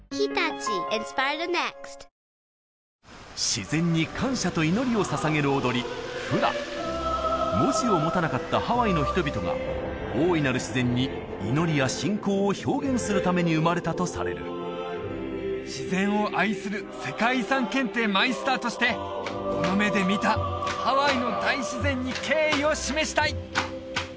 自然に感謝と祈りを捧げる踊りフラ文字を持たなかったハワイの人々が大いなる自然に祈りや信仰を表現するために生まれたとされる自然を愛する世界遺産検定マイスターとしてこの目で見たハワイの大自然に敬意を示したい！